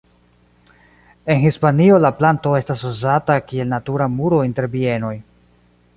En Hispanio la planto estas uzata kiel natura muro inter bienoj.